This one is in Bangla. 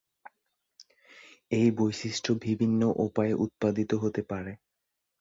এই বৈশিষ্ট্য বিভিন্ন উপায়ে উৎপাদিত হতে পারে।